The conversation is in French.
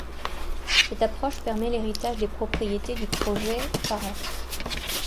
Cette approche permet l'héritage des propriétés du projet parent.